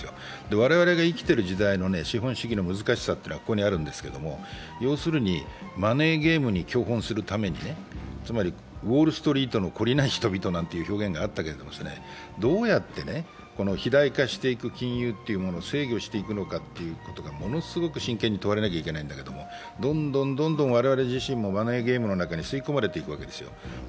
我々が生きている時代の資本主義の難しさというのはここにあるんですけど要するに、マネーゲームに教本するために、ウォールストリートの懲りない人々という言葉がありましたけどどうやってこの肥大化していく金融を制御していくのかものすごく真剣に問われなきゃいけないんだけど、どんどん我々自身も輪投げゲームの中に吸い込まれていくわけですよ。